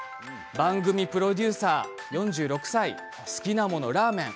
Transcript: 番組プロデューサー４６歳好きなもの、ラーメン。